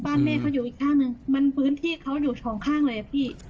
แม่เขาอยู่อีกข้างหนึ่งมันพื้นที่เขาอยู่สองข้างเลยอะพี่